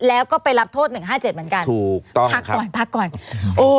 แล้วก็ไปรับโทษหนึ่งห้าเจ็ดเหมือนกันถูกต้องพักก่อนพักก่อนโอ้